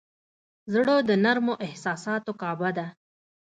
زړه د نرمو احساساتو کعبه ده.